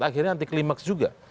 akhirnya anti klimaks juga